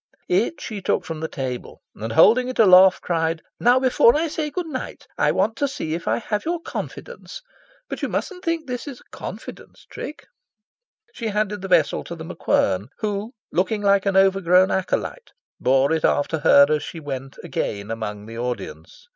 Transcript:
It she took from the table, and, holding it aloft, cried "Now, before I say good night, I want to see if I have your confidence. But you mustn't think this is the confidence trick!" She handed the vessel to The MacQuern, who, looking like an overgrown acolyte, bore it after her as she went again among the audience.